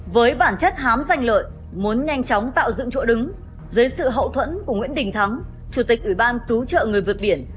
với bản chất hám danh lợi muốn nhanh chóng tạo dựng chỗ đứng dưới sự hậu thuẫn của nguyễn đình thắng chủ tịch ủy ban cứu trợ người vượt biển